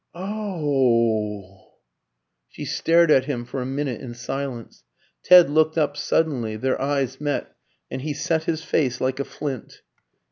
"Oh h!" She stared at him for a minute in silence. Ted looked up suddenly; their eyes met, and he set his face like a flint.